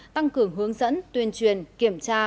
tăng cường hướng dẫn tuyên truyền kiểm tra